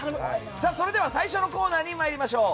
それでは、最初のコーナーに参りましょう。